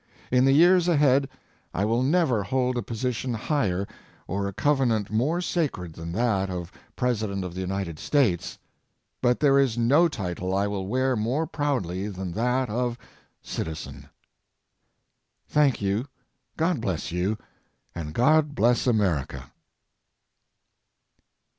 In the years ahead I will never hold a position higher or a covenant more sacred than that of president of the United States. But there is no title I will wear more proudly than that of citizen. Thank you. God bless you, and God bless America.